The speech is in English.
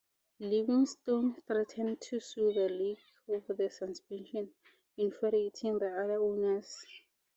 Livingstone threatened to sue the league over the suspension, infuriating the other owners.